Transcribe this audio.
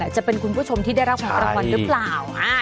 จะเป็นคุณผู้ชมที่ได้รับของรางวัลหรือเปล่า